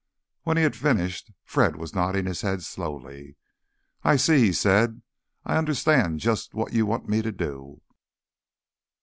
When he had finished, Fred was nodding his head slowly. "I see," he said. "I understand just what you want me to do."